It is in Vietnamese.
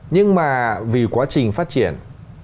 nhưng mà vì quá trình phát triển